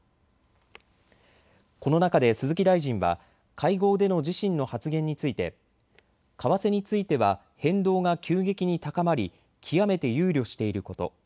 この中で鈴木大臣は会合での自身の発言について為替については変動が急激に高まり極めて憂慮していること。